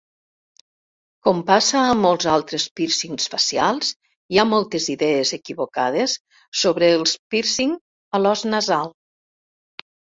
Com passa amb molts altres pírcings facials, hi ha moltes idees equivocades sobre els pírcing a l'os nasal.